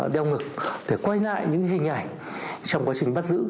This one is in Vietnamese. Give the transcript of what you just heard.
đeo ngực để quay lại những hình ảnh trong quá trình bắt giữ